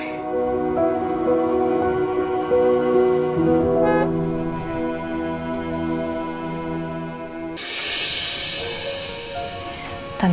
terima kasih mas